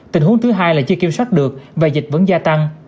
tình huống thứ hai là chưa kiểm soát được và dịch vẫn gia tăng